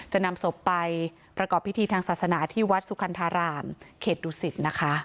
จะนำศพไปประกอบพิธีทางศาสนาที่วัดสุคันธารามเขตดุสิตนะคะ